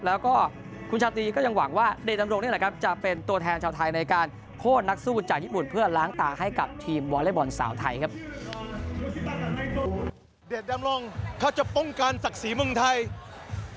แล้วก็คุณชาตรีก็ยังหวังว่าเดชน์ดำรงนี่นะครับ